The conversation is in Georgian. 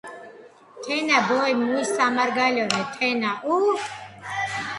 თენა ბოი მუშ სამარგალორე თენა უჰ